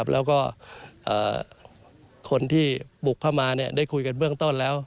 แล้วก็คนที่บุกเข้ามาได้คุยกันเบื้องต้นแล้ว